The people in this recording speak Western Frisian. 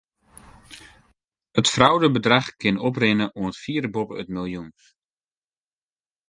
It fraudebedrach kin oprinne oant fier boppe it miljoen.